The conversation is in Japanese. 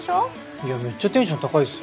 いやめっちゃテンション高いっすよ。